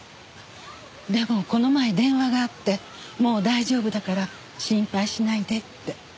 でもこの前電話があってもう大丈夫だから心配しないでって。